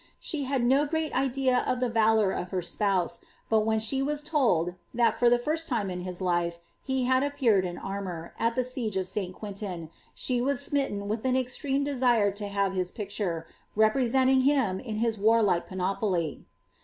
She had no great idea of the valour of her spouse, but when she was told, that, for the tirst time in his life, he had appeared in armour, at the siege of St. Quintin, she was smitten with an extreme desire to have his picture, representing him in his warlike pan oply.